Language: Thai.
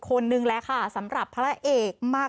คนนึงแล้วค่ะสำหรับพระเอกมาก